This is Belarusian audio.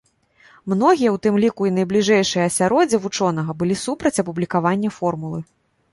Многія, у тым ліку і найбліжэйшае асяроддзе вучонага, былі супраць апублікавання формулы.